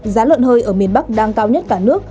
giá lợn hơi ở miền bắc đang cao nhất cả nước